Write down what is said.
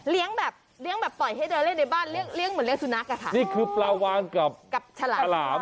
แบบเลี้ยงแบบปล่อยให้เดินเล่นในบ้านเรียกเลี้ยงเหมือนเลี้ยสุนัขอะค่ะนี่คือปลาวานกับกับฉลามฉลาม